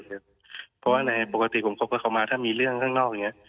เพราะว่าในปกติผมคบกับเขามาถ้ามีเรื่องข้างนอกอย่างนี้